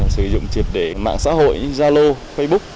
sử dụng triệt để mạng xã hội zalo facebook